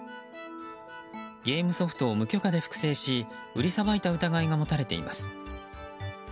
ゲームソフトを無許可で複製し売りさばいた疑いが持たれています。